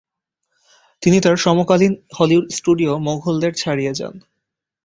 তিনি তার সমকালীন হলিউড স্টুডিও মোঘলদের ছাড়িয়ে যান।